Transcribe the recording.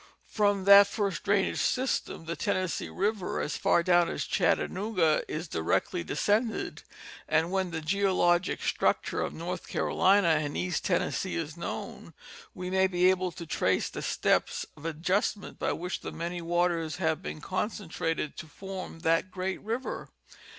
From that first drainage system the Tennessee river, as far down as Chattanooga, is directly de scended, and when the geologic structure of North Carolina and East Tennessee is known, we may be able to trace the steps of ad justment by which the many waters have been concentrated to form that great river.